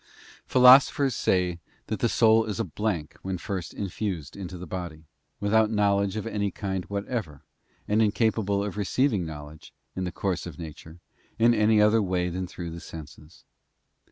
Philosophers say that the soul is a blank when first in fused into the body, without knowledge of any kind whatever, and incapable of receiving knowledge, in the course of nature, in any other way than through the senses.